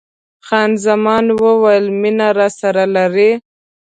خان زمان وویل: مینه راسره لرې؟